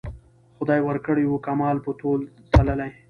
خدای ورکړی وو کمال په تول تللی